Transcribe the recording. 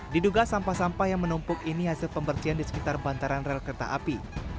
diduga sampah sampah yang menumpuk ini hasil pembersihan di sekitar bantaran rel kereta api